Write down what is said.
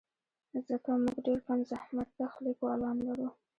ځکه موږ ډېر کم زحمتکښ لیکوالان لرو.